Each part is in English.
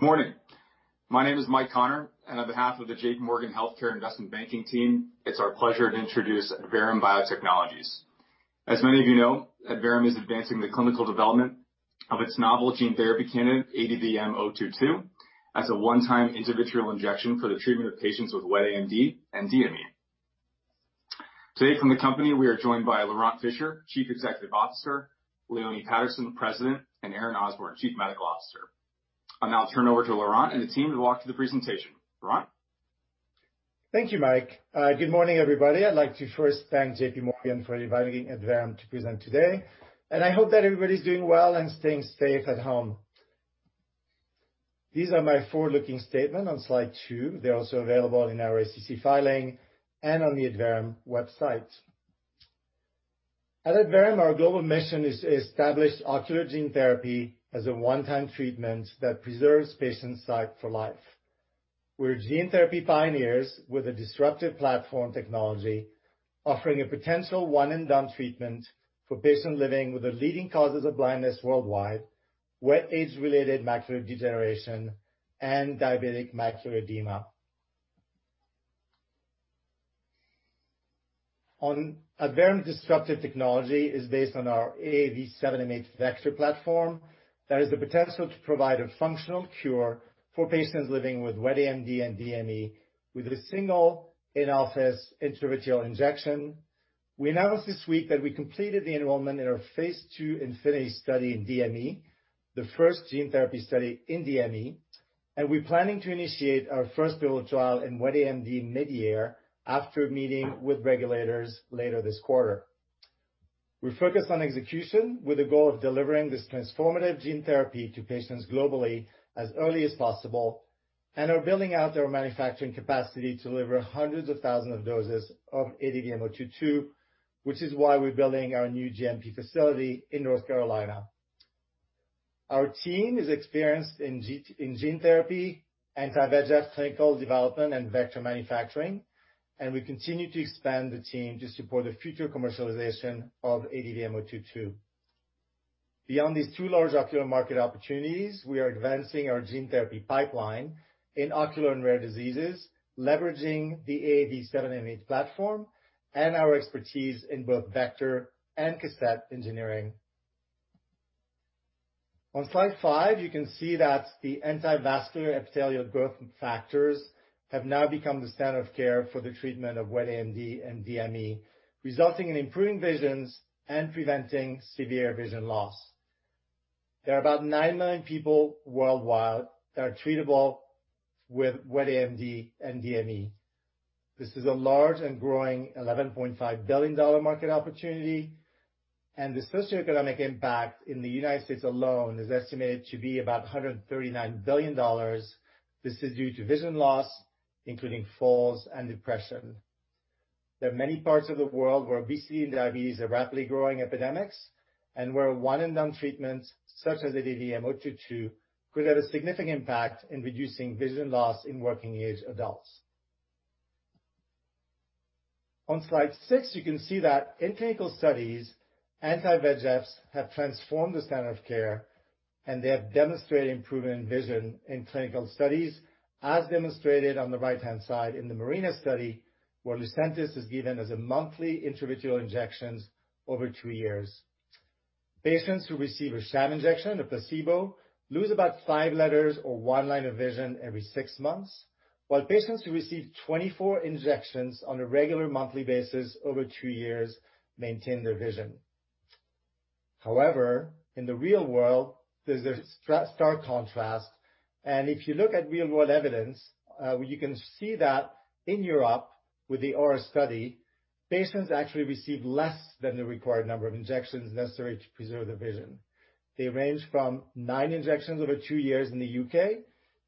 Good morning. My name is Mike Connor. On behalf of the JPMorgan Healthcare Investment Banking Team, it's our pleasure to introduce Adverum Biotechnologies. As many of you know, Adverum is advancing the clinical development of its novel gene therapy candidate, ADVM-022, as a one-time intravitreal injection for the treatment of patients with wet AMD and DME. Today from the company, we are joined by Laurent Fischer, Chief Executive Officer, Leone Patterson, the President, and Aaron Osborne, Chief Medical Officer. I'll now turn over to Laurent and the team to walk through the presentation. Laurent? Thank you, Mike. Good morning, everybody. I'd like to first thank JPMorgan for inviting Adverum to present today, and I hope that everybody's doing well and staying safe at home. These are my forward-looking statement on slide two. They're also available in our SEC filing and on the Adverum website. At Adverum, our global mission is to establish ocular gene therapy as a one-time treatment that preserves patients' sight for life. We're gene therapy pioneers with a disruptive platform technology offering a potential one-and-done treatment for patients living with the leading causes of blindness worldwide, wet age-related macular degeneration and diabetic macular edema. On Adverum disruptive technology is based on our AAV.7m8 vector platform that has the potential to provide a functional cure for patients living with wet AMD and DME with a single in-office intravitreal injection. We announced this week that we completed the enrollment in our phase II INFINITY study in DME, the first gene therapy study in DME, and we're planning to initiate our first pivotal trial in wet AMD mid-year after meeting with regulators later this quarter. We focus on execution with the goal of delivering this transformative gene therapy to patients globally as early as possible, and are building out our manufacturing capacity to deliver hundreds of thousands of doses of ADVM-022, which is why we're building our new GMP facility in North Carolina. Our team is experienced in gene therapy, anti-VEGF clinical development, and vector manufacturing, and we continue to expand the team to support the future commercialization of ADVM-022. Beyond these two large ocular market opportunities, we are advancing our gene therapy pipeline in ocular and rare diseases, leveraging the AAV.7m8 platform and our expertise in both vector and cassette engineering. On slide five, you can see that the anti-vascular endothelial growth factors have now become the standard of care for the treatment of wet AMD and DME, resulting in improving visions and preventing severe vision loss. There are about 90 million people worldwide that are treatable with wet AMD and DME. This is a large and growing $11.5 billion market opportunity, the socioeconomic impact in the United States alone is estimated to be about $139 billion. This is due to vision loss, including falls and depression. There are many parts of the world where obesity and diabetes are rapidly growing epidemics, and where one-and-done treatments such as ADVM-022 could have a significant impact in reducing vision loss in working age adults. On slide six, you can see that in clinical studies, anti-VEGFs have transformed the standard of care, and they have demonstrated improvement in vision in clinical studies, as demonstrated on the right-hand side in the MARINA study, where Lucentis is given as a monthly intravitreal injections over two years. Patients who receive a sham injection, a placebo, lose about five letters or one line of vision every six months, while patients who receive 24 injections on a regular monthly basis over two years maintain their vision. However, in the real world, there's a stark contrast, and if you look at real-world evidence, you can see that in Europe with the AURA study, patients actually receive less than the required number of injections necessary to preserve their vision. They range from nine injections over two years in the U.K.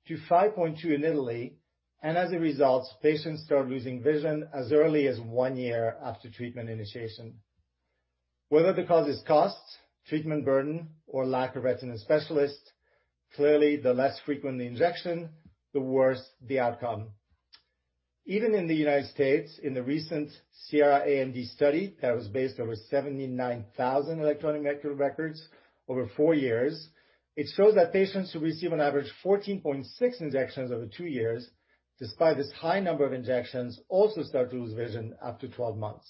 to 5.2 in Italy, and as a result, patients start losing vision as early as one year after treatment initiation. Whether the cause is cost, treatment burden, or lack of retina specialists, clearly the less frequent the injection, the worse the outcome. Even in the United States, in the recent SIERRA-AMD study that was based over 79,000 electronic medical records over four years, it shows that patients who receive on average 14.6 injections over two years, despite this high number of injections, also start to lose vision after 12 months.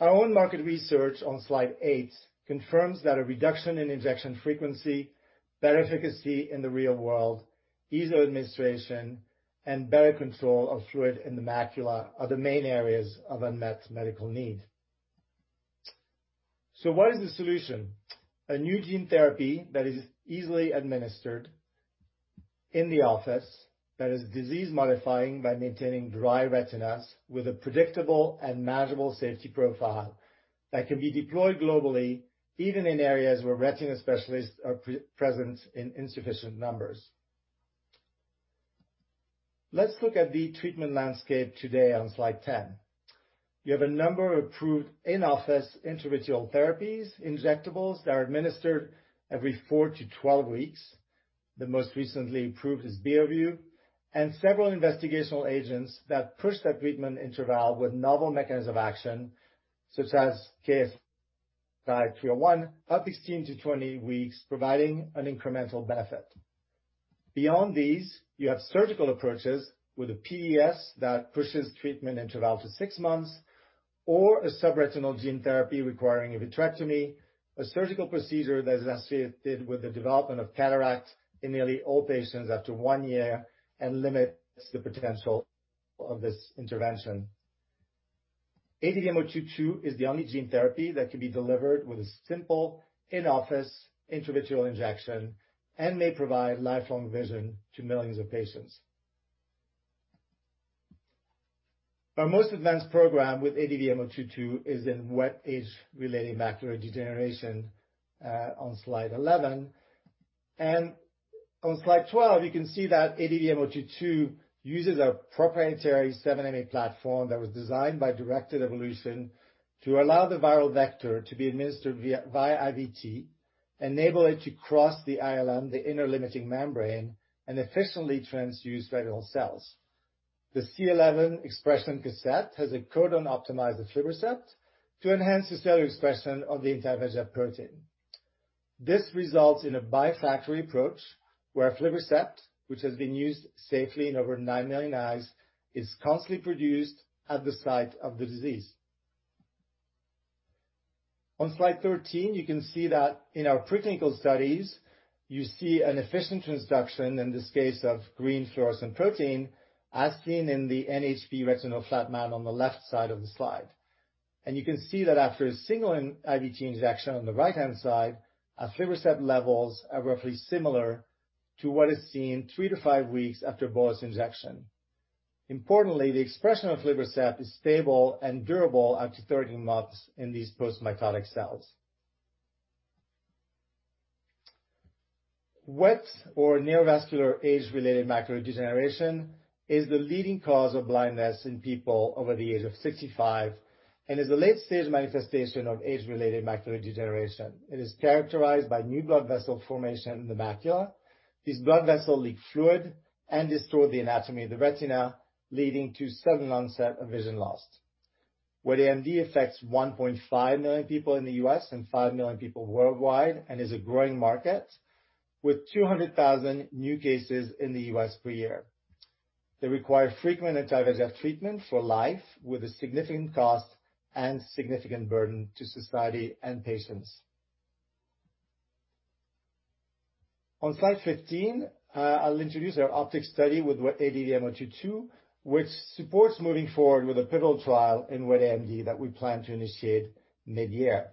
Our own market research on slide eight confirms that a reduction in injection frequency, better efficacy in the real world, ease of administration, and better control of fluid in the macula are the main areas of unmet medical need. What is the solution? A new gene therapy that is easily administered in the office, that is disease-modifying by maintaining dry retinas with a predictable and manageable safety profile that can be deployed globally, even in areas where retina specialists are present in insufficient numbers. Let's look at the treatment landscape today on slide 10. You have a number of approved in-office intravitreal therapies, injectables, that are administered every 4-12 weeks. The most recently approved is Beovu, and several investigational agents that push that treatment interval with novel mechanisms of action, such as KSI-301, at 16-20 weeks, providing an incremental benefit. Beyond these, you have surgical approaches with a PDS that pushes treatment interval to six months, or a subretinal gene therapy requiring a vitrectomy, a surgical procedure that is associated with the development of cataracts in nearly all patients after one year and limits the potential of this intervention. ADVM-022 is the only gene therapy that can be delivered with a simple in-office intravitreal injection and may provide lifelong vision to millions of patients. Our most advanced program with ADVM-022 is in wet age-related macular degeneration on slide 11. On slide 12, you can see that ADVM-022 uses a proprietary 7m8 platform that was designed by directed evolution to allow the viral vector to be administered via IVT, enable it to cross the ILM, the inner limiting membrane, and efficiently transduce retinal cells. The C11 expression cassette has a codon-optimized aflibercept to enhance the cellular expression of the anti-VEGF protein. This results in a biofactory approach where aflibercept, which has been used safely in over 9 million eyes, is constantly produced at the site of the disease. On slide 13, you can see that in our preclinical studies, you see an efficient transduction, in this case of green fluorescent protein, as seen in the NHP retinal flat mount on the left side of the slide. You can see that after a single IVT injection on the right-hand side, our aflibercept levels are roughly similar to what is seen three to five weeks after bolus injection. Importantly, the expression of aflibercept is stable and durable up to 13 months in these post-mitotic cells. Wet or neovascular age-related macular degeneration is the leading cause of blindness in people over the age of 65 and is a late-stage manifestation of age-related macular degeneration. It is characterized by new blood vessel formation in the macula. These blood vessel leak fluid and destroy the anatomy of the retina, leading to sudden onset of vision loss. Wet AMD affects 1.5 million people in the U.S. and 5 million people worldwide and is a growing market with 200,000 new cases in the U.S. per year. They require frequent anti-VEGF treatment for life with a significant cost and significant burden to society and patients. On slide 15, I'll introduce our OPTIC study with ADVM-022, which supports moving forward with a pivotal trial in wet AMD that we plan to initiate mid-year.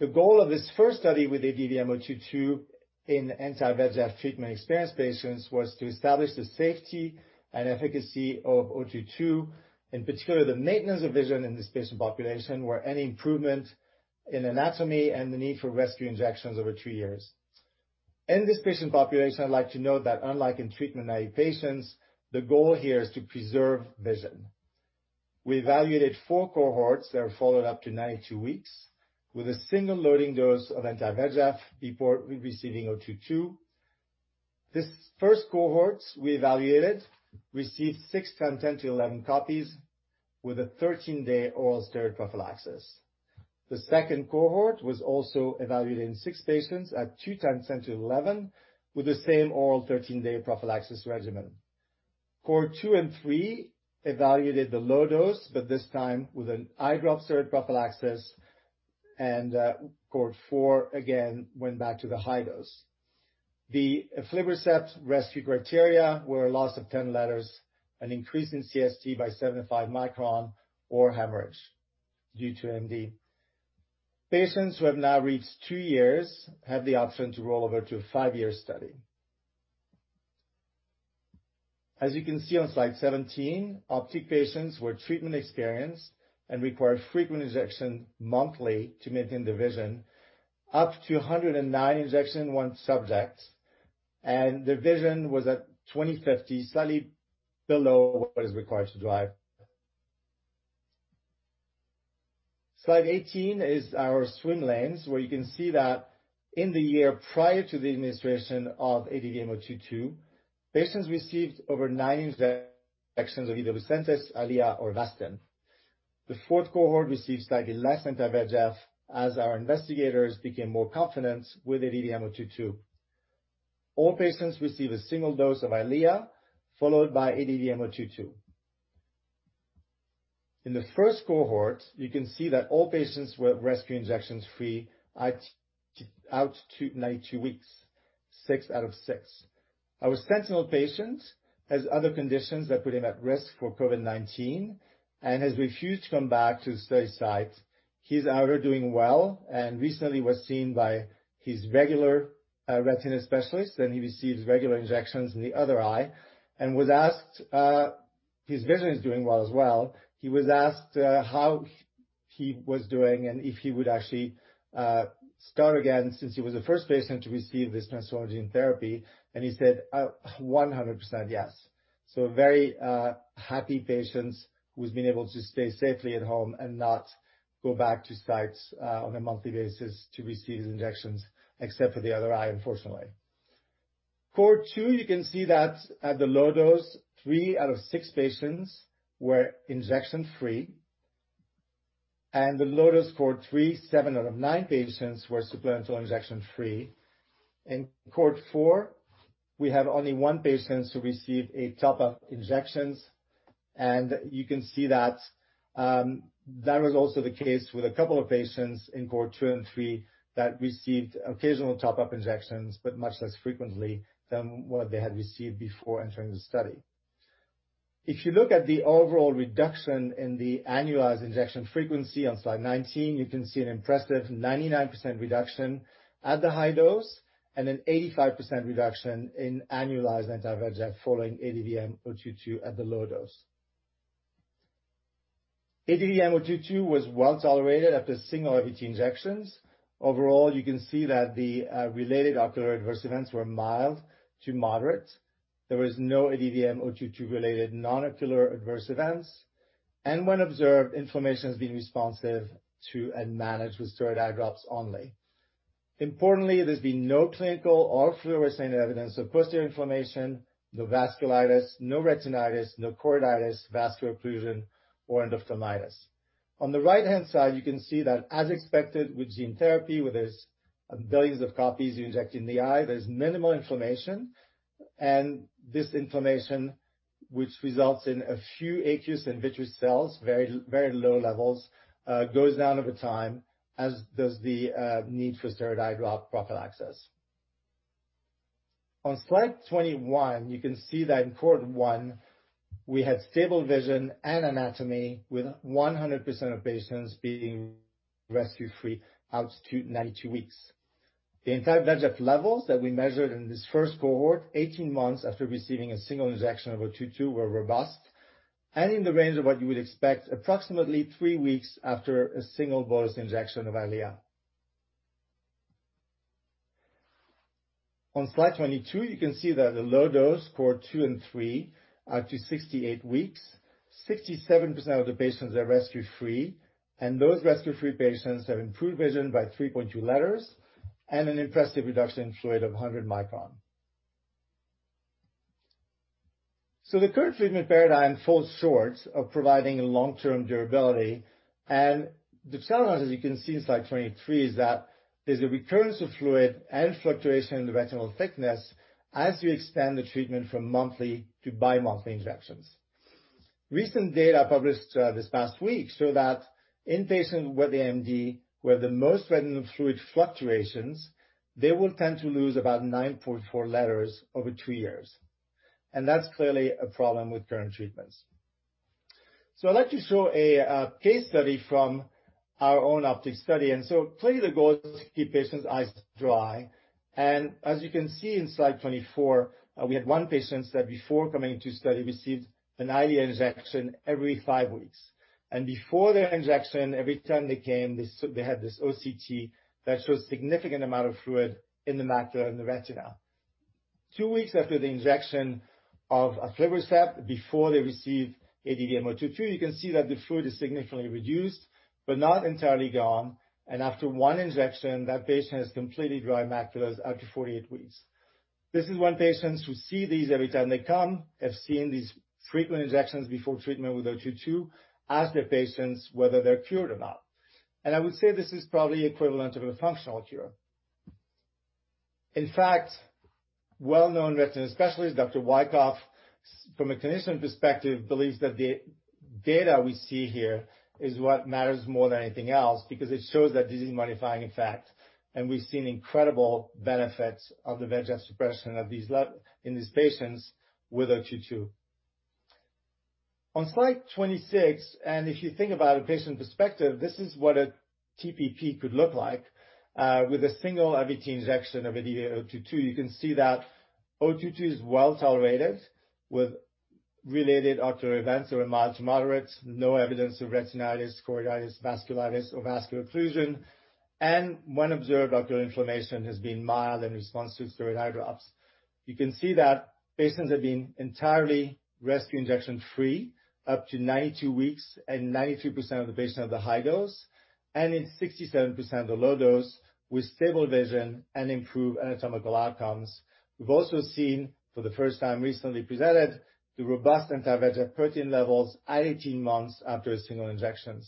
The goal of this first study with ADVM-022 in anti-VEGF treatment experienced patients was to establish the safety and efficacy of ADVM-022, in particular, the maintenance of vision in this patient population, where any improvement in anatomy and the need for rescue injections over two years. In this patient population, I'd like to note that unlike in treatment-naive patients, the goal here is to preserve vision. We evaluated four cohorts that are followed up to 92 weeks with a single loading dose of anti-VEGF before receiving ADVM-022. This first cohort we evaluated received six times 10 to the 11 copies with a 13-day oral steroid prophylaxis. The second cohort was also evaluated in six patients at two times 10 to the 11 with the same oral 13-day prophylaxis regimen. Cohort 2 and 3 evaluated the low dose, but this time with an eye drop steroid prophylaxis, and Cohort 4 again went back to the high dose. The aflibercept rescue criteria were a loss of 10 letters, an increase in CST by 75 micron, or hemorrhage due to AMD. Patients who have now reached two years have the option to roll over to a five-year study. As you can see on slide 17, OPTIC patients were treatment-experienced and required frequent injection monthly to maintain their vision, up to 109 injection in one subject, and their vision was at 20/50, slightly below what is required to drive. Slide 18 is our swim lanes, where you can see that in the year prior to the administration of ADVM-022, patients received over nine injections of either Lucentis, EYLEA, or Avastin. The fourth cohort received slightly less anti-VEGF as our investigators became more confident with ADVM-022. All patients receive a single dose of EYLEA, followed by ADVM-022. In the first cohort, you can see that all patients were rescue injections free at out to 92 weeks, six out of six. Our sentinel patient has other conditions that put him at risk for COVID-19 and has refused to come back to the study site. He's out here doing well and recently was seen by his regular retina specialist, and he receives regular injections in the other eye. His vision is doing well as well. He was asked how he was doing and if he would actually start again since he was the first patient to receive this transform gene therapy, and he said, "100% yes." A very happy patient who has been able to stay safely at home and not go back to sites on a monthly basis to receive his injections, except for the other eye, unfortunately. Cohort 2, you can see that at the low dose, three out of six patients were injection-free. The low dose Cohort 3, seven out of nine patients were supplemental injection-free. In Cohort 4, we have only one patient who received a top-up injections. You can see that was also the case with a couple of patients in Cohort 2 and 3 that received occasional top-up injections, but much less frequently than what they had received before entering the study. If you look at the overall reduction in the annualized injection frequency on slide 19, you can see an impressive 99% reduction at the high dose, and an 85% reduction in annualized anti-VEGF following ADVM-022 at the low dose. ADVM-022 was well-tolerated after a single IVT injections. Overall, you can see that the related ocular adverse events were mild to moderate. There was no ADVM-022 related non-ocular adverse events, and when observed, inflammation has been responsive to and managed with steroid eye drops only. Importantly, there's been no clinical or fluorescein evidence of posterior inflammation, no vasculitis, no retinitis, no choroiditis, vascular occlusion, or endophthalmitis. On the right-hand side, you can see that as expected with gene therapy, where there's billions of copies you inject in the eye, there's minimal inflammation. This inflammation, which results in a few aqueous and vitreous cells, very low levels, goes down over time, as does the need for steroid eye drop prophylaxis. On slide 21, you can see that in Cohort 1, we had stable vision and anatomy with 100% of patients being rescue-free out to 92 weeks. The anti-VEGF levels that we measured in this first cohort, 18 months after receiving a single injection of 022 were robust and in the range of what you would expect approximately three weeks after a single bolus injection of EYLEA. On slide 22, you can see that the low dose Cohort 2 and 3 out to 68 weeks, 67% of the patients are rescue-free, and those rescue-free patients have improved vision by 3.2 letters and an impressive reduction in fluid of 100 micron. The current treatment paradigm falls short of providing long-term durability. The challenge, as you can see in slide 23, is that there's a recurrence of fluid and fluctuation in the retinal thickness as you extend the treatment from monthly to bimonthly injections. Recent data published this past week show that in patients with AMD, where the most retinal fluid fluctuations, they will tend to lose about 9.4 letters over two years. That's clearly a problem with current treatments. I'd like to show a case study from our own OPTIC study. Clearly the goal is to keep patients' eyes dry. As you can see in slide 24, we had one patient that before coming to study, received an IVT injection every five weeks. Before their injection, every time they came, they had this OCT that shows significant amount of fluid in the macula and the retina. Two weeks after the injection of aflibercept, before they received ADVM-022, you can see that the fluid is significantly reduced but not entirely gone. After one injection, that patient has completely dry maculas up to 48 weeks. This is one patient who see these every time they come, have seen these frequent injections before treatment with 022, ask their patients whether they're cured or not. I would say this is probably equivalent of a functional cure. In fact, well-known retina specialist, Dr. Wykoff, from a clinician perspective, believes that the data we see here is what matters more than anything else because it shows that disease-modifying effect. We've seen incredible benefits of the VEGF suppression in these patients with 022. On slide 26, if you think about a patient perspective, this is what a TPP could look like with a single IVT injection of ADVM-022. You can see that 022 is well-tolerated with related ocular events that were mild to moderate. No evidence of retinitis, choroiditis, vasculitis, or vascular occlusion. When observed, ocular inflammation has been mild and responsive to steroid eye drops. You can see that patients have been entirely rescue injection-free up to 92 weeks, and 93% of the patients have the high dose and in 67% the low dose with stable vision and improved anatomical outcomes. We've also seen for the first time recently presented the robust anti-VEGF protein levels at 18 months after a single injection.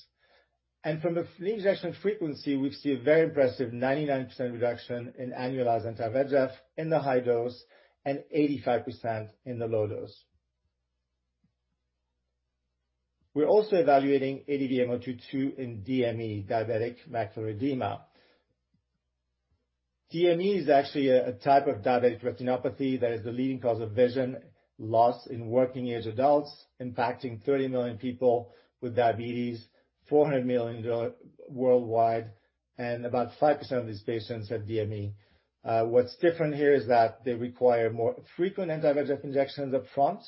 From the free injection frequency, we've seen a very impressive 99% reduction in annualized anti-VEGF in the high dose and 85% in the low dose. We're also evaluating ADVM-022 in DME, diabetic macular edema. DME is actually a type of diabetic retinopathy that is the leading cause of vision loss in working age adults, impacting 30 million people with diabetes, 400 million worldwide, and about 5% of these patients have DME. What's different here is that they require more frequent anti-VEGF injections up front.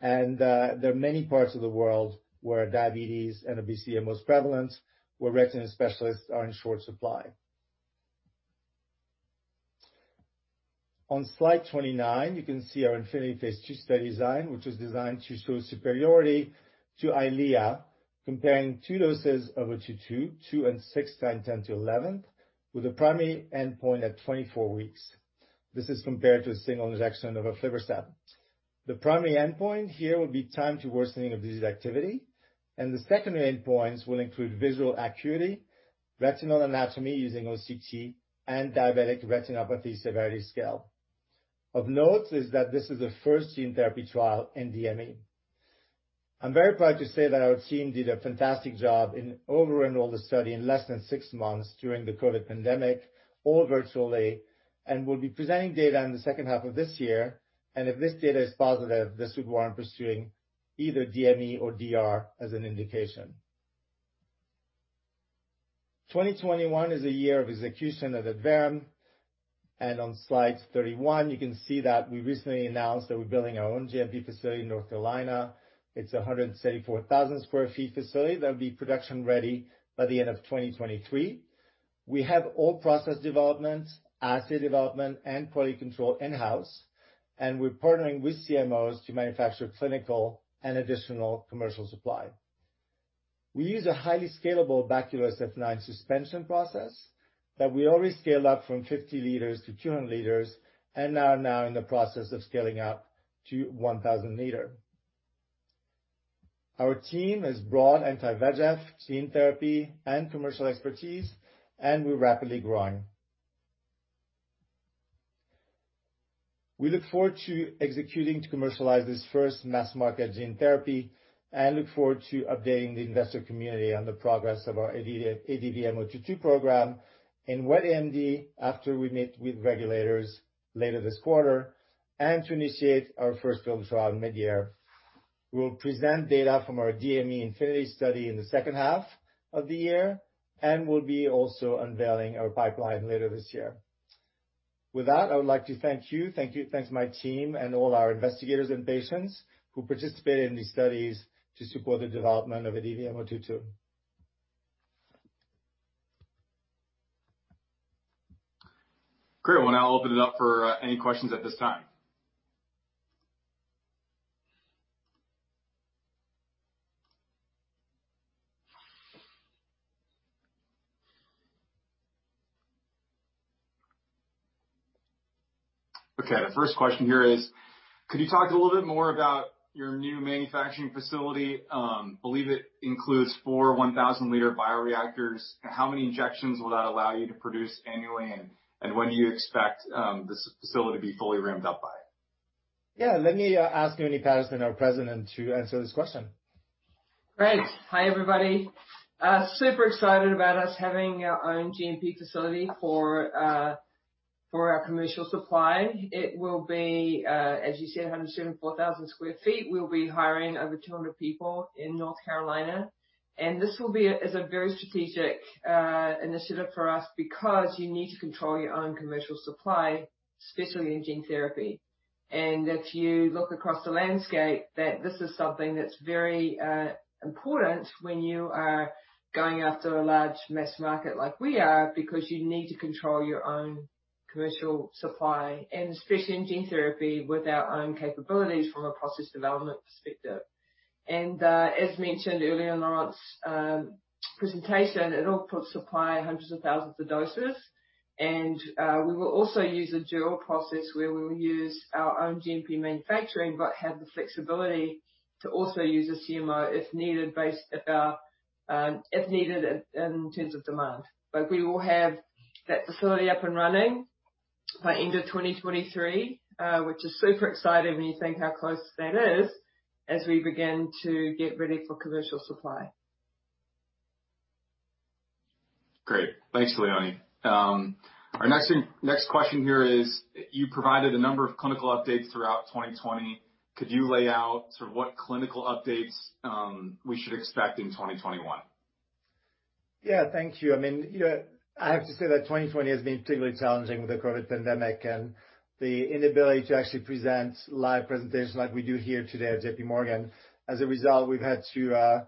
There are many parts of the world where diabetes and obesity are most prevalent, where retina specialists are in short supply. On slide 29, you can see our INFINITY phase II study design, which was designed to show superiority to EYLEA. Comparing two doses of ADVM-022, two and six times 10 to 11, with a primary endpoint at 24 weeks. This is compared to a single injection of aflibercept. The primary endpoint here will be time to worsening of disease activity, and the secondary endpoints will include visual acuity, retinal anatomy using OCT, and Diabetic Retinopathy Severity Scale. Of note is that this is the first gene therapy trial in DME. I'm very proud to say that our team did a fantastic job in over-enroll the study in less than six months during the COVID pandemic, all virtually, and will be presenting data in the second half of this year. If this data is positive, this would warrant pursuing either DME or DR as an indication. 2021 is a year of execution at Adverum. On slide 31, you can see that we recently announced that we're building our own GMP facility in North Carolina. It's a 174,000 sq ft facility that will be production ready by the end of 2023. We have all process development, assay development, and quality control in-house. We're partnering with CMOs to manufacture clinical and additional commercial supply. We use a highly scalable baculo/Sf9 suspension process that we already scaled up from 50 L to 200 L and are now in the process of scaling up to 1,000 L. Our team has broad anti-VEGF, gene therapy, and commercial expertise. We're rapidly growing. We look forward to executing to commercialize this first mass market gene therapy and look forward to updating the investor community on the progress of our ADVM-022 program in wet AMD after we meet with regulators later this quarter, and to initiate our first pivotal trial mid-year. We'll present data from our DME INFINITY study in the second half of the year. We'll be also unveiling our pipeline later this year. With that, I would like to thank you. Thanks to my team and all our investigators and patients who participated in these studies to support the development of ADVM-022. Great. Well, now I'll open it up for any questions at this time. Okay, the first question here is, could you talk a little bit more about your new manufacturing facility? I believe it includes four 1,000 L bioreactors. How many injections will that allow you to produce annually, and when do you expect this facility to be fully ramped up by? Yeah. Let me ask Leone Patterson, our President, to answer this question. Great. Hi, everybody. Super excited about us having our own GMP facility for our commercial supply. It will be, as you said, 174,000 sq ft. We'll be hiring over 200 people in North Carolina. This is a very strategic initiative for us because you need to control your own commercial supply, especially in gene therapy. If you look across the landscape, that this is something that's very important when you are going after a large mass market like we are because you need to control your own commercial supply and especially in gene therapy with our own capabilities from a process development perspective. As mentioned earlier in Laurent's presentation, it'll put supply hundreds of thousands of doses. We will also use a dual process where we will use our own GMP manufacturing but have the flexibility to also use a CMO if needed in terms of demand. We will have that facility up and running by end of 2023, which is super exciting when you think how close that is as we begin to get ready for commercial supply. Great. Thanks, Leone. Our next question here is, you provided a number of clinical updates throughout 2020. Could you lay out sort of what clinical updates we should expect in 2021? Yeah. Thank you. I have to say that 2020 has been particularly challenging with the COVID pandemic and the inability to actually present live presentations like we do here today at JPMorgan. As a result, we've had to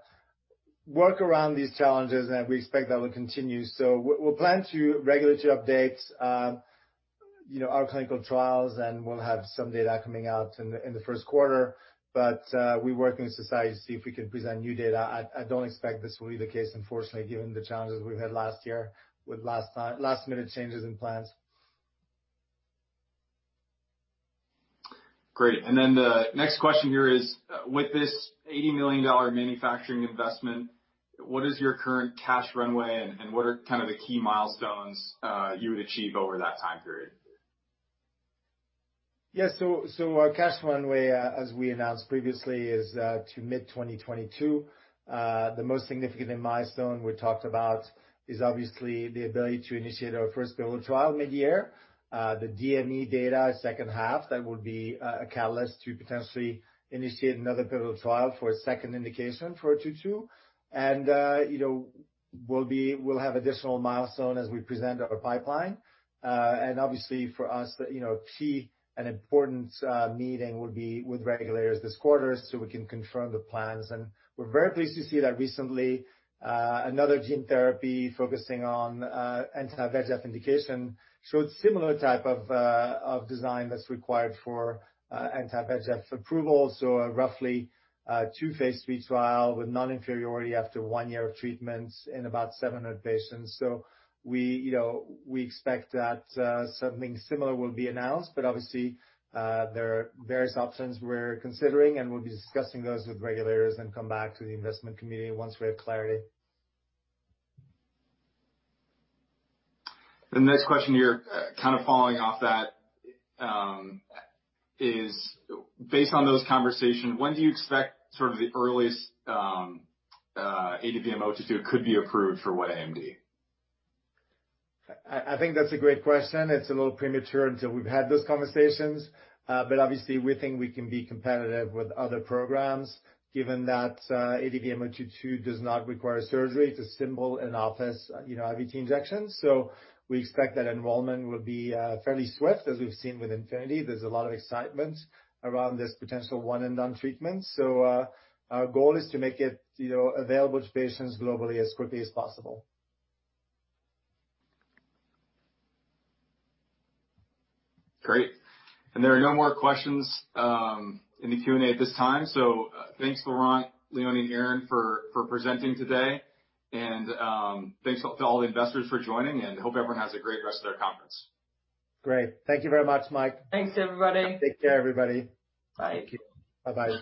work around these challenges, and we expect that will continue. We'll plan to regularly update our clinical trials, and we'll have some data coming out in the first quarter. We're working with society to see if we can present new data. I don't expect this will be the case, unfortunately, given the challenges we've had last year with last-minute changes in plans. Great. The next question here is, with this $80 million manufacturing investment, what is your current cash runway and what are kind of the key milestones you would achieve over that time period? Yeah. Our cash runway, as we announced previously, is to mid-2022. The most significant milestone we talked about is obviously the ability to initiate our first pivotal trial mid-year. The DME data second half, that will be a catalyst to potentially initiate another pivotal trial for a second indication for ADVM-022. We'll have additional milestone as we present our pipeline. Obviously, for us, a key and important meeting will be with regulators this quarter so we can confirm the plans. We're very pleased to see that recently, another gene therapy focusing on anti-VEGF indication showed similar type of design that's required for anti-VEGF approval. Roughly a two phase III trial with non-inferiority after one year of treatment in about 700 patients. We expect that something similar will be announced, but obviously, there are various options we're considering, and we'll be discussing those with regulators and come back to the investment community once we have clarity. The next question here, kind of following off that, is based on those conversations, when do you expect sort of the earliest ADVM-022 could be approved for wet AMD? I think that's a great question. It's a little premature until we've had those conversations. Obviously, we think we can be competitive with other programs given that ADVM-022 does not require surgery. It's a simple in-office IVT injection. We expect that enrollment will be fairly swift as we've seen with INFINITY. There's a lot of excitement around this potential one and done treatment. Our goal is to make it available to patients globally as quickly as possible. Great. There are no more questions in the Q&A at this time. Thanks, Laurent, Leone, and Aaron for presenting today. Thanks to all the investors for joining, and hope everyone has a great rest of their conference. Great. Thank you very much, Mike. Thanks, everybody. Take care, everybody. Thank you. Bye-bye.